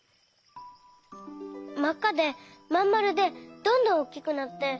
まっかでまんまるでどんどんおっきくなって。